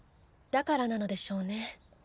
だからなのでしょうね。